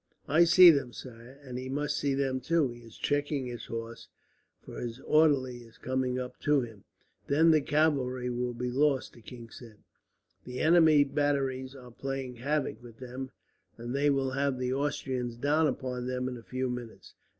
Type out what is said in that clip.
"I see them, sire, and he must see them, too. He is checking his horse, for his orderly is coming up to him." "Then the cavalry will be lost," the king said. "The enemy's batteries are playing havoc with them, and they will have the Austrians down upon them in a few minutes.